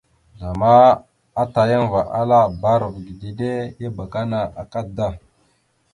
Zlama atayaŋva ala: « Bba arav ge dide ya abakana akada, ».